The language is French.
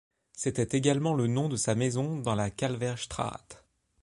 C'était également le nom de sa maison dans la Kalverstraat.